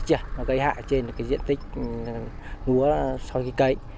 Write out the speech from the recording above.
cây hạ trên diện tích lúa sau khi cấy